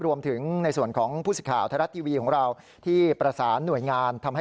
รวมถึงในส่วนของผู้ศิษย์ข่าวธรรมดิวีของเรา